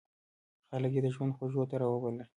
خلک یې د ژوند خوږو ته را وبلل.